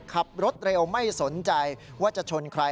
ขับรถเร็วไม่สนใจว่าจะชนใคร